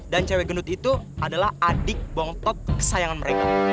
dan cewek gendut itu adalah adik bontot kesayangan mereka